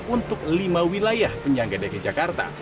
untuk lima wilayah penyangga dki jakarta